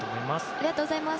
ありがとうございます。